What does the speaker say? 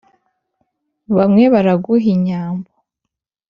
Bamwe baraguha inyambo